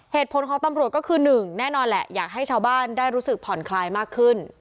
เหตุผลของตำรวจก็คือหนึ่งแน่นอนแหละอยากให้ชาวบ้านได้รู้สึกผ่อนคลายมากขึ้น